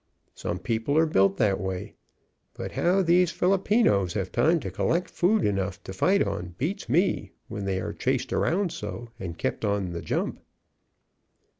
Some people are built that way. But how these Filipinos have time to collect food enough to fight on, beats me, when they are chased around so, and kept on the jump."